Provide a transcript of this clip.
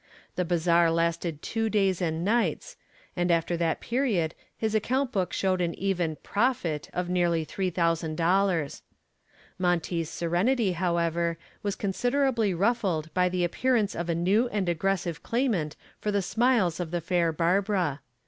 The bazaar lasted two days and nights, and after that period his account book showed an even "profit" of nearly $3,000. Monty's serenity, however, was considerably ruffled by the appearance of a new and aggressive claimant for the smiles of the fair Barbara.